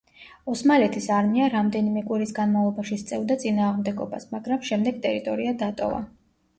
ოსმალეთის არმია რამდენიმე კვირის განმავლობაში სწევდა წინააღმდეგობას, მაგრამ შემდეგ ტერიტორია დატოვა.